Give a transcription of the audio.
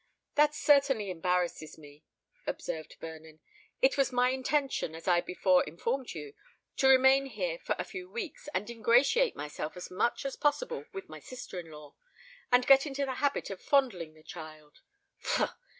"That certainly embarrasses me," observed Vernon. "It was my intention, as I before informed you, to remain here for a few weeks and ingratiate myself as much as possible with my sister in law, and get into the habit of fondling the child.